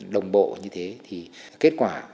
đồng bộ như thế thì kết quả